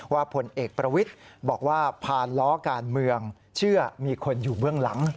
ผลเอกประวิทย์บอกว่าผ่านล้อการเมืองเชื่อมีคนอยู่เบื้องหลัง